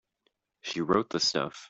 She wrote the stuff.